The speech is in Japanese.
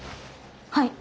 はい。